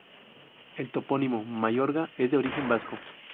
El topónimo "Mayorga" es de origen vasco.